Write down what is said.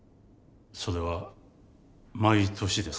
それは毎年ですか？